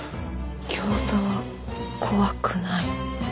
ギョーザは怖くない。